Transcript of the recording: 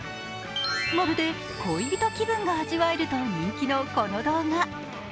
まるで恋人気分が味わえると人気のこの動画。